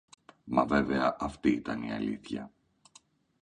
Μα βέβαια αυτή ήταν η αλήθεια